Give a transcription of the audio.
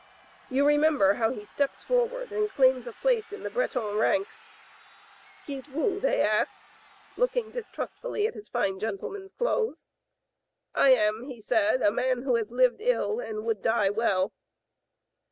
You remember how he steps forward and claims a place in the Breton ranks. * Qui ites vous ?* they ask, looking distrustfully at his fine gentleman's clothes. 'I am,' he said, *a man who has lived ill and would die well.'